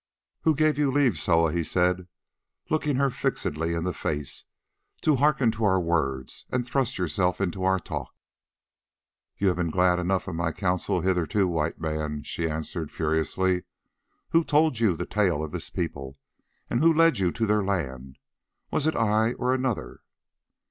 "Who gave you leave, Soa," he said, looking her fixedly in the face, "to hearken to our words and thrust yourself into our talk?" "You have been glad enough of my counsels hitherto, White Man," she answered furiously. "Who told you the tale of this people? And who led you to their land? Was it I or another?"